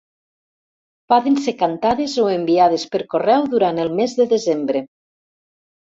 Poden ser cantades o enviades per correu durant el mes de desembre.